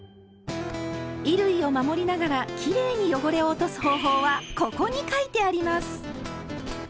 衣類を守りながらきれいに汚れを落とす方法は「ここ」に書いてあります！